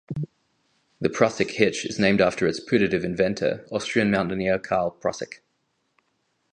The Prusik hitch is named after its putative inventor, Austrian mountaineer Karl Prusik.